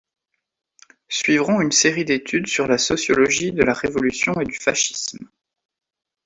Suivront une série d'études sur la sociologie de la révolution et du fascisme.